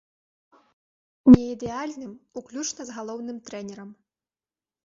Не ідэальным, уключна з галоўным трэнерам.